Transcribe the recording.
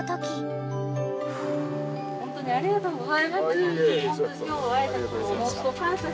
ホントにありがとうございます。